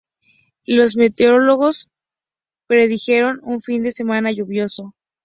Los meteorólogos predijeron un fin de semana lluvioso.